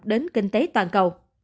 đến kinh tế toàn cầu